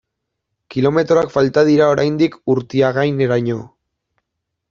Kilometroak falta dira oraindik Urtiagaineraino.